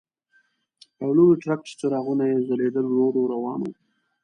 یو لوی ټرک چې څراغونه یې ځلېدل ورو ورو روان و.